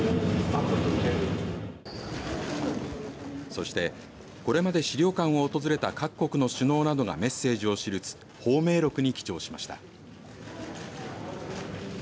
そしてこれまで資料館を訪れた各国の首脳などがメッセージを記す芳名録に記帳しました。